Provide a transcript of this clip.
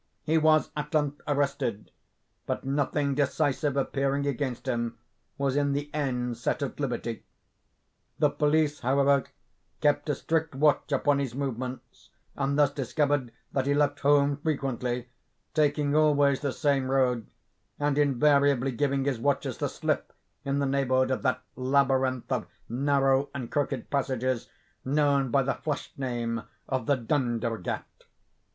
He was at length arrested, but nothing decisive appearing against him, was in the end set at liberty. The police, however, kept a strict watch upon his movements, and thus discovered that he left home frequently, taking always the same road, and invariably giving his watchers the slip in the neighborhood of that labyrinth of narrow and crooked passages known by the flash name of the 'Dondergat.